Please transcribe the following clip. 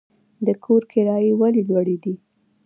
د کور کرایې ولې لوړې دي؟